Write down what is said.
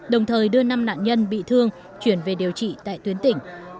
đồng thời đưa năm nạn nhân bị thương chuyển về điều trị tại tuyến tỉnh